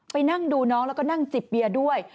นั่งดูน้องแล้วก็นั่งจิบเบียร์ด้วย